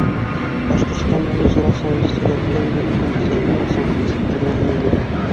Башҡортостан Яҙыусылар союзы Силәбелә үҙенең бүлексәһен асыуҙы кисектермәһен ине.